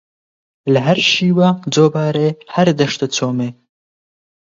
لە هەر شیوە جۆبارێ هەر دەشتە چۆمێ